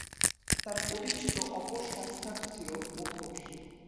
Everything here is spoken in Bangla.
তার প্রতিষ্ঠিত অপর সংস্থাটি ছিল "মুখোশ"।